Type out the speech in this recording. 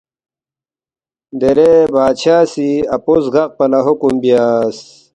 دیرے بادشاہ سی اپو زگقپا لہ حکم بیاس